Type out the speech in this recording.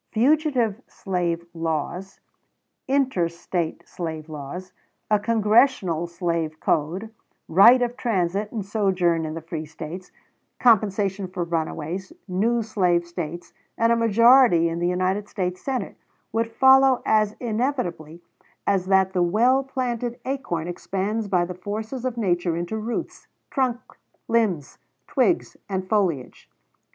Fugitive slave laws, inter State slave trade, a Congressional slave code, right of transit and sojourn in the free States, compensation for runaways, new slave States, and a majority in the United States Senate would follow, as inevitably as that the well planted acorn expands by the forces of nature into roots, trunk, limbs, twigs, and foliage.